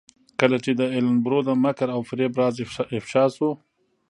کله چې د ایلن برو د مکر او فریب راز افشا شو.